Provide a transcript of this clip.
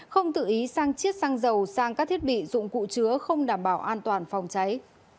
không tự ý sang chiết xăng dầu sang các thiết bị dụng cụ chứa không đảm bảo an toàn phòng cháy